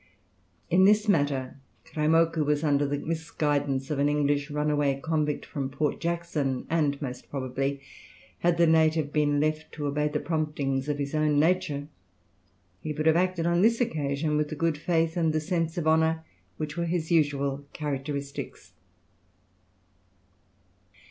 In this matter Kraimokou was under the misguidance of an English runaway convict from Port Jackson, and most probably had the native been left to obey the promptings of his own nature he would have acted on this occasion with the good faith and the sense of honour which were his usual characteristics.